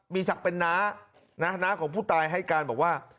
มีศักดิ์เป็นน้านะน้าของผู้ตายให้การบอกว่า